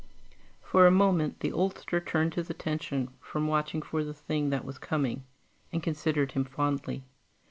For a moment, the oldster turned his attention from watching for the thing that was coming, and considered him fondly.